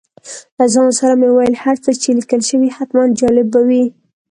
له ځان سره مې وویل هر څه چې لیکل شوي حتماً جالب به وي.